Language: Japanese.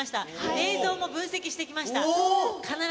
映像も分析してきました。